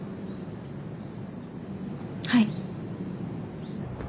はい。